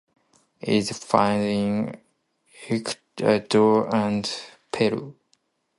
It is found in Ecuador and Peru.